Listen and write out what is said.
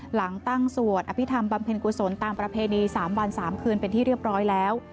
หลังตั้งสวดอภิษฐรรมบำเพ็ญกุศลตามประเพณี๓วัน๓คืนเป็นที่เรียบร้อยแล้ว